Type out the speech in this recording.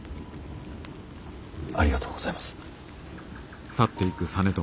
ありがとうございます。